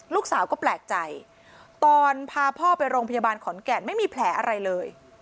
ลูกสาวก็แปลกใจตอนพาพ่อไปโรงพยาบาลขอนแก่นไม่มีแผลอะไรเลย